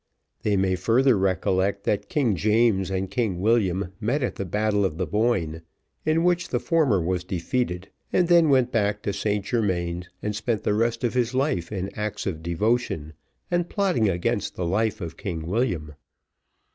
They may further recollect, that King James and King William met at the battle of the Boyne, in which the former was defeated, and then went back to St Germains and spent the rest of his life in acts of devotion and plotting against the life of King William.